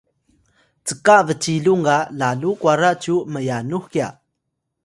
cka bcilung ga lalu kwara cyu m’yanux kya?